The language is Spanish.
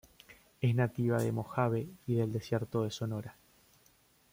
Es nativa de Mojave y del Desierto de Sonora.